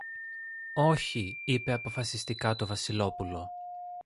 Όχι, είπε αποφασιστικά το Βασιλόπουλο